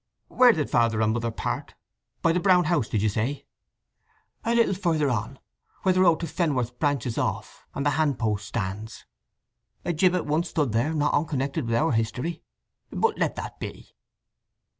"Where did Father and Mother part—by the Brown House, did you say?" "A little further on—where the road to Fenworth branches off, and the handpost stands. A gibbet once stood there not onconnected with our history. But let that be."